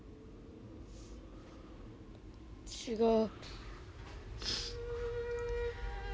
違う。